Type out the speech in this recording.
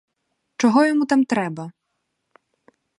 Чого йому там треба?